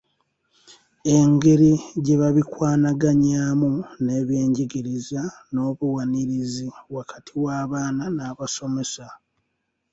Engeri gye babikwanaganyaamu n’ebyenjigiriza n’obuwanirizi wakati w’abaana n’abasomesa.